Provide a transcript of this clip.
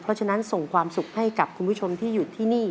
เพราะฉะนั้นส่งความสุขให้กับคุณผู้ชมที่อยู่ที่นี่